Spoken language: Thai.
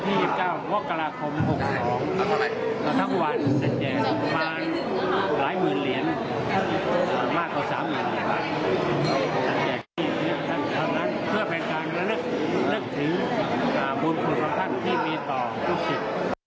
เพื่อเป็นการกำลังเลือกถึงบุญคุณของท่านที่มีต่อผู้ชิด